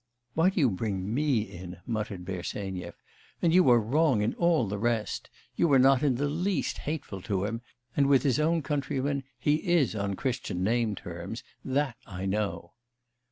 'Why do you bring me in?' muttered Bersenyev. 'And you are wrong in all the rest; you are not in the least hateful to him, and with his own countrymen he is on Christian name terms that I know.